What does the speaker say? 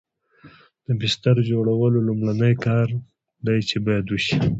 د بستر جوړول لومړنی کار دی چې باید وشي